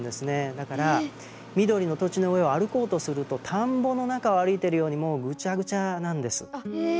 だから緑の土地の上を歩こうとすると田んぼの中を歩いてるようにもうグチャグチャなんです。え！